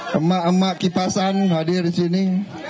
sama ama kipasan hadir di sini